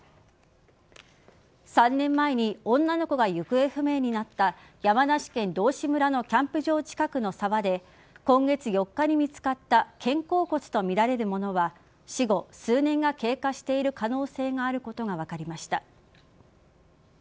３年前に女の子が行方不明になった山梨県道志村のキャンプ場近くの沢で今月４日に見つかった肩甲骨とみられるものは死後数年が経過している可能性があることが分かりました。